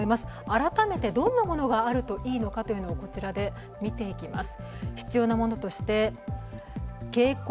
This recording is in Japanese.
改めてどんなものがあるといいかをこちらで見ていきます。